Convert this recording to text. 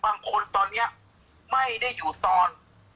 แม่ยังคงมั่นใจและก็มีความหวังในการทำงานของเจ้าหน้าที่ตำรวจค่ะ